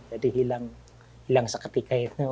jadi hilang hilang seketika itu